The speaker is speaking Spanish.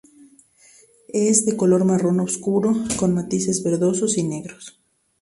Es de color marrón oscuro con matices verdosos y negros.